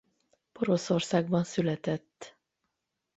Poroszországban született.